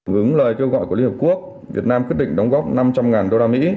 với lời kêu gọi của liên hợp quốc việt nam quyết định đóng góp năm trăm linh usd